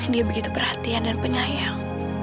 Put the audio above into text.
dia begitu perhatian dan penyayang